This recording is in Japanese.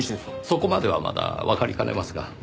そこまではまだわかりかねますが。